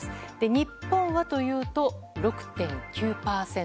日本はというと６．９％。